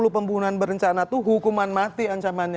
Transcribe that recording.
pembunuhan berencana itu hukuman mati ancamannya